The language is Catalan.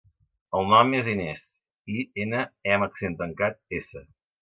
El nom és Inés: i, ena, e amb accent tancat, essa.